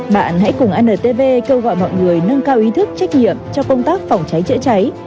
bạn hãy cùng ntv kêu gọi mọi người nâng cao ý thức trách nhiệm cho công tác phòng cháy chữa cháy